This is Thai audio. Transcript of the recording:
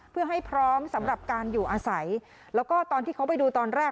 เพื่อให้พร้อมสำหรับการอยู่อาศัยแล้วก็ตอนที่เขาไปดูตอนแรก